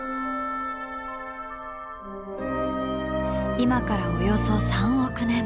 今からおよそ３億年前。